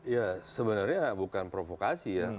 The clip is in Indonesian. ya sebenarnya bukan provokasi ya